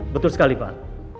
betul sekali pak